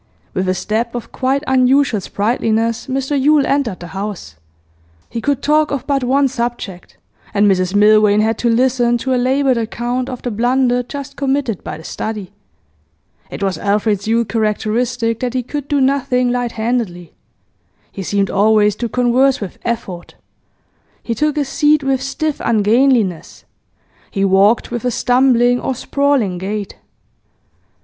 With a step of quite unusual sprightliness Mr Yule entered the house. He could talk of but one subject, and Mrs Milvain had to listen to a laboured account of the blunder just committed by The Study. It was Alfred's Yule's characteristic that he could do nothing lighthandedly. He seemed always to converse with effort; he took a seat with stiff ungainliness; he walked with a stumbling or sprawling gait.